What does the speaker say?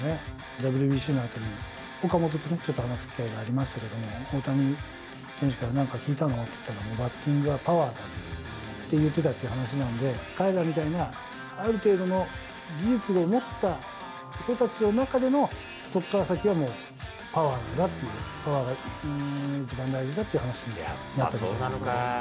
ＷＢＣのあとに岡本とちょっと話す機会がありましたけども、大谷選手から何か聞いたの？って言ったら、バッティングはパワーだって言ってたっていう話なんで、彼らみたいな、ある程度の技術を持った人たちの中での、そこから先はパワーなんだっていう、パワーが一番大事だっていう話だったみたいですね。